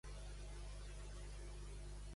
El rei mata i mana.